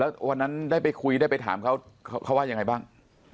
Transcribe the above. แล้ววันนั้นได้ไปคุยได้ไปถามเขาเขาว่ายังไงบ้าง